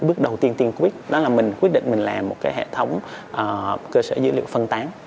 bước đầu tiên tiên quyết đó là mình quyết định mình làm một hệ thống cơ sở dữ liệu phân tán